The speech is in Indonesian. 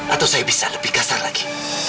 atau saya bisa lebih kasar lagi